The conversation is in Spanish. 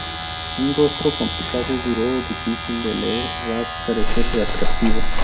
Un rostro complicado, duro, o difícil de leer, va a carecer de atractivo.